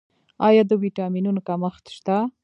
آیا د ویټامینونو کمښت شته؟